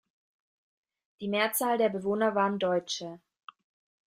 Die Mehrzahl der Bewohner waren Deutsche.